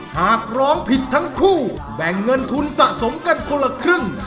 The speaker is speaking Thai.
หากร้องผิดทั้งคู่แบ่งเงินทุนสะสมกันคนละครึ่ง